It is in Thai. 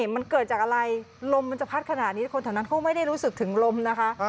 มันเกิดจากอะไรลมมันจะพัดขนาดนี้คนแถวนั้นเขาไม่ได้รู้สึกถึงลมนะคะ